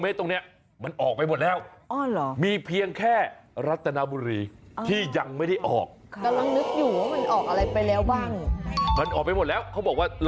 ตรงสุรีนออกแล้ว